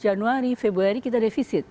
januari februari kita defisit